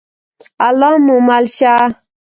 الله مو مل شه؟